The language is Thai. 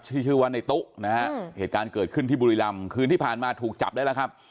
ชื่อว่าในตู้นะฮะเหตุการณ์เกิดขึ้นที่บุรีรำคืนที่ผ่านมาถูกจับได้แล้วครับ